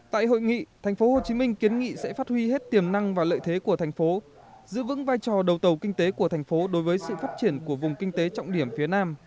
tại hội nghị thành phố hồ chí minh kiến nghị sẽ phát huy hết tiềm năng và lợi thế của thành phố giữ vững vai trò đầu tàu kinh tế của thành phố đối với sự phát triển của vùng kinh tế trọng điểm phía nam